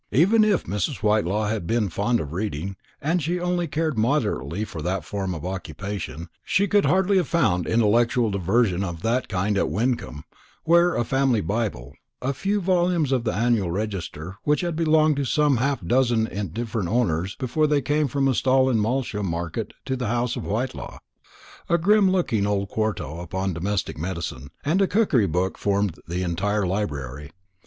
Even if Mrs. Whitelaw had been fond of reading, and she only cared moderately for that form of occupation, she could hardly have found intellectual diversion of that kind at Wyncomb, where a family Bible, a few volumes of the Annual Register, which had belonged to some half dozen different owners before they came from a stall in Malsham market to the house of Whitelaw, a grim looking old quarto upon domestic medicine, and a cookery book, formed the entire library.